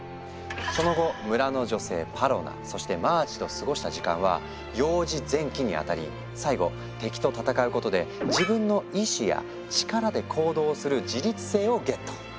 その後村の女性パロナそしてマーチと過ごした時間は「幼児前期」に当たり最後敵と戦うことで自分の意志や力で行動する「自律性」をゲット！